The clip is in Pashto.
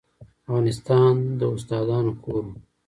افغانستان د استادانو کور و.